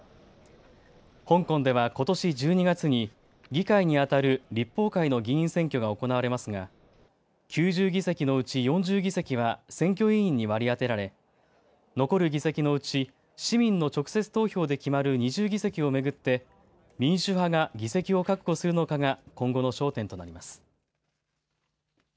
香港ではことし１２月に議会にあたる立法会の議員選挙が行われますが９０議席のうち４０議席は選挙委員に割り当てられ残る議席のうち市民の直接投票で決まる２０議席を巡って民主派が議席を確保するのかが今後の焦点となります。